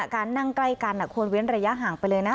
การนั่งใกล้กันควรเว้นระยะห่างไปเลยนะ